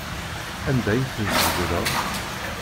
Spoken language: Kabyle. Anda ay ten-tbeddleḍ?